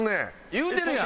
言うてるやん！